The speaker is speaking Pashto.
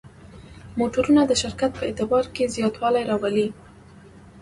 موټرونه د شرکت په اعتبار کې زیاتوالی راولي.